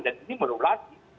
dan ini merulasi